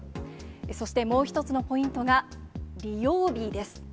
そしてもう一つのポイントが、利用日です。